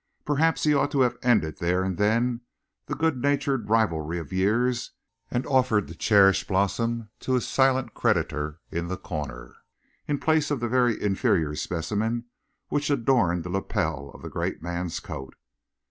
Perhaps he ought to have ended there and then the good natured rivalry of years and offered the cherished blossom to his silent creditor in the corner, in place of the very inferior specimen which adorned the lapel of the great man's coat.